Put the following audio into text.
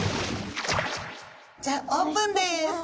じゃあオープンです。